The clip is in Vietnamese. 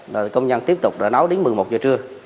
rồi công nhân tiếp tục là nấu đến một mươi một giờ trưa